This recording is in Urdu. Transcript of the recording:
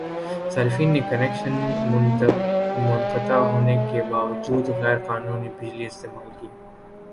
صارفین نے کنکشن منقطع ہونے کے باوجودغیرقانونی بجلی استعمال کی